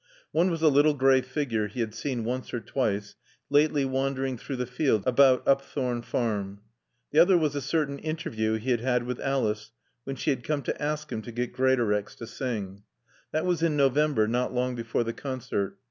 One was a little gray figure he had seen once or twice lately wandering through the fields about Upthorne Farm. The other was a certain interview he had had with Alice when she had come to ask him to get Greatorex to sing. That was in November, not long before the concert.